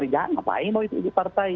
jangan ngapain mau itu di partai